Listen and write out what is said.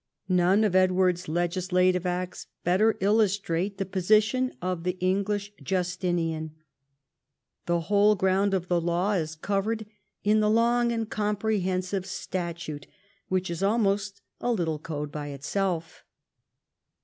None of Edward's legislative acts better illustrate the position of the English Justinian. The whole ground of the law is covered in the long and comprehensive statute, which is almost a little code by itself.